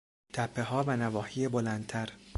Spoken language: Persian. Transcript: تپهها و نواحی بلندتر